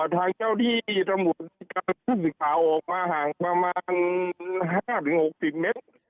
ทางเจ้าที่ตำรวจผู้สื่อข่าวออกมาห่างประมาณ๕๖๐เมตร